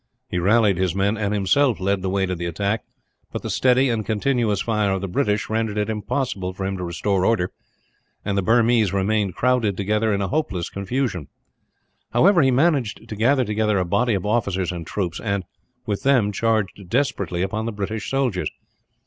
He rallied his men, and himself led the way to the attack; but the steady and continuous fire of the British rendered it impossible for him to restore order, and the Burmese remained crowded together, in hopeless confusion. However, he managed to gather together a body of officers and troops and, with them, charged desperately upon the British soldiers.